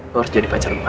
lo harus jadi pacar gue